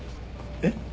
えっ？